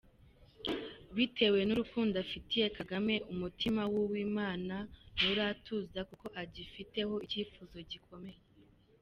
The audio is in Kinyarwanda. Bitewe n’urukundo afitiye Kagame, umutima wa Uwimana nturatuza kuko agifiteho icyifuzo gikomeye.